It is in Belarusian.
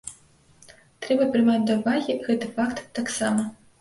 Трэба прымаць да ўвагі гэты факт таксама.